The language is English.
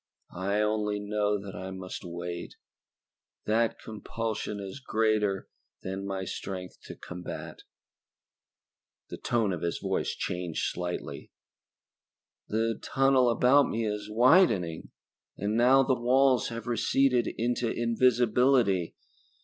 "I only know that I must wait that compulsion is greater than my strength to combat." The tone of his voice changed slightly. "The tunnel about me is widening and now the walls have receded into invisibility.